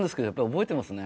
覚えてますね。